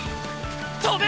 飛べ！